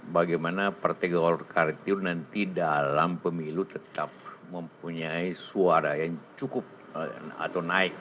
bagaimana partai golkar itu nanti dalam pemilu tetap mempunyai suara yang cukup atau naik